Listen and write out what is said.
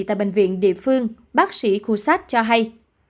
tại bệnh viện địa phương bác sĩ kusat cho hay